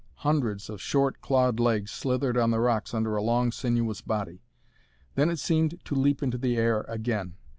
Hundreds of short, clawed legs slithered on the rocks under a long sinuous body. Then it seemed to leap into the air again.